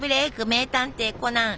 「名探偵コナン」